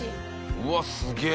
うわっすげえ。